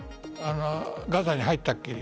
ガザに入ったっきり。